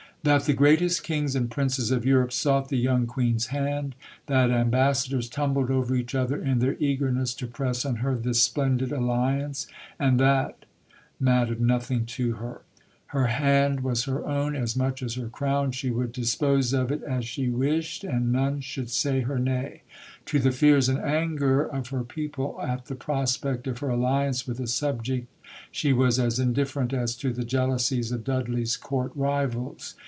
That the greatest Kings and Princes of Europe sought the young Queen's hand; that ambassadors tumbled over each other in their eagerness to press on her this splendid alliance and that, mattered nothing to her. Her hand was her own as much as her Crown she would dispose of it as she wished, and none should say her nay. To the fears and anger of her people at the prospect of her alliance with a subject she was as indifferent as to the jealousies of Dudley's Court rivals.